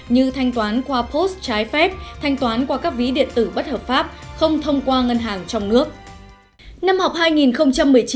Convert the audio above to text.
như thanh toán qua post trái phép thanh toán qua các ví điện tử bất hợp pháp không thông qua ngân hàng trong nước